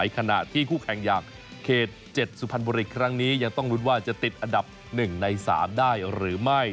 ขณะที่คู่แข่งอย่างเขต๗สุพรรณบุรีครั้งนี้ยังต้องลุ้นว่าจะติดอันดับ๑ใน๓ได้หรือไม่